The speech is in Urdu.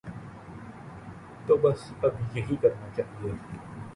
تو بس اب یہی کرنا چاہیے۔